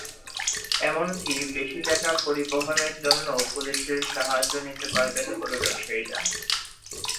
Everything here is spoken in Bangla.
এমনকি বেশি টাকা পরিবহনের জন্যও পুলিশের সাহায্য নিতে পারবেন গরু ব্যবসায়ীরা।